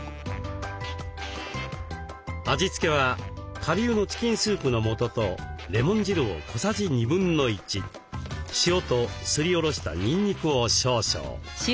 味付けは顆粒のチキンスープの素とレモン汁を小さじ1/2塩とすりおろしたにんにくを少々。